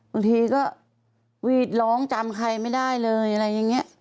บางทีก็วีดร้องจำใครไม่ได้เลยอะไรอย่างนี้